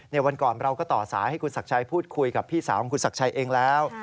วันก่อนเราก็ต่อสายให้คุณศักดิ์ชัยพูดคุยกับพี่สาวของคุณศักดิ์ชัยเองแล้ว